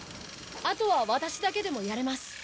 あとはワタシだけでもやれます。